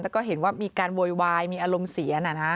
แต่ก็เห็นว่ามีการโวยวายมีอารมณ์เสีย